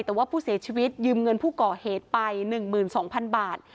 แต่ว่าผู้เสียชีวิตยืมเงินผู้ก่อเหตุไป๑๒๐๐๐บาท